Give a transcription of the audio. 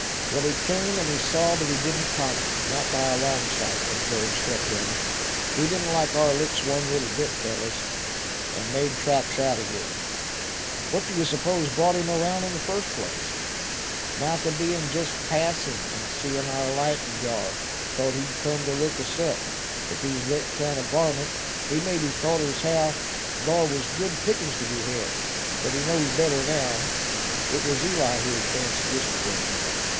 "Well, he came, and he saw; but he didn't conquer, not by a long sight," observed Step Hen. "He didn't like our looks one little bit, fellows, and made tracks out of here. What d'ye s'pose brought him around, in the first place?" "Mout a be'n jest passin', an' seein' our light in hyar, thort he'd cum ter look us up. If he's thet kind o' a varmint, he mebbe thort as how thar was good pickin's ter be bed. But he knows better now." It was Eli who advanced this opinion.